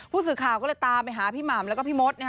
ผู้สื่อข่าวก็เลยตามไปหาพี่หม่ำแล้วก็พี่มดนะฮะ